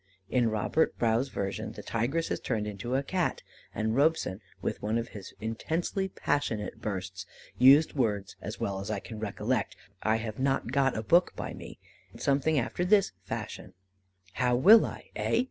In Robert Brough's version the tigress is turned into a Cat, and Robson, with one of his intensely passionate bursts, used words, as well as I can recollect (I have not got a book by me), something after this fashion: "How will I, eh?